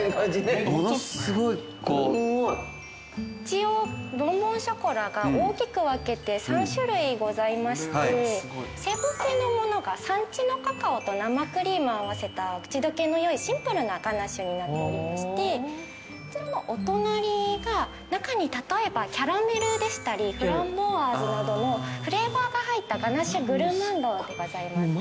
一応ボンボン・ショコラが大きく分けて３種類ございまして正方形のものが産地のカカオと生クリームを合わせた口溶けのよいシンプルなガナッシュになっておりましてこちらのお隣が中に例えばキャラメルでしたりフランボワーズなどのフレーバーが入ったガナッシュ・グルマンドでございます。